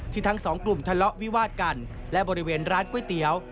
ทั้งสองกลุ่มทะเลาะวิวาดกันและบริเวณร้านก๋วยเตี๋ยว